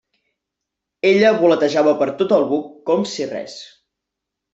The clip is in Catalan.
Ella voletejava per tot el buc com si res.